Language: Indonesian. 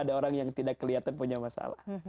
ada orang yang tidak kelihatan punya masalah